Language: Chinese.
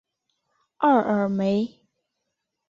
奥尔梅。